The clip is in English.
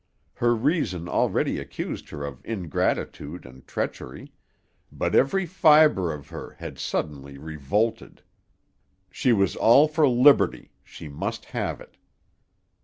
Her reason already accused her of ingratitude and treachery, but every fiber of her had suddenly revolted. She was all for liberty, she must have it.